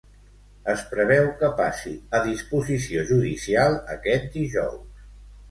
Es preveu que passi a disposició judicial aquest dijous.